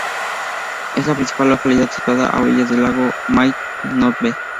Es la principal localidad situada a orillas del lago Mai-Ndombe.